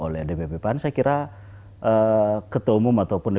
nah kalau pertanyaannya adalah apakah ini diketahui oleh ketua umum atau dpp pan